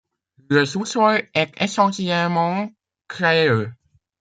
Le sous-sol est essentiellement crayeux.